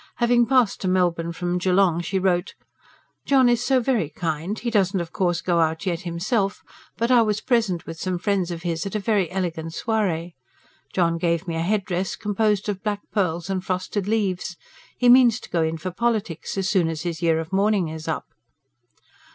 Having passed to Melbourne from Geelong she wrote: JOHN IS SO VERY KIND. HE DOESN'T OF COURSE GO OUT YET HIMSELF, BUT I WAS PRESENT WITH SOME FRIENDS OF HIS AT A VERY ELEGANT SOIREE. JOHN GAVE ME A HEADDRESS COMPOSED OF BLACK PEARLS AND FROSTED LEAVES. HE MEANS TO GO IN FOR POLITIES AS SOON AS HIS YEAR OF MOURNING IS UP.